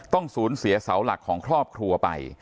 ต้องสูญเสียเสาหลักของครอบครัวไป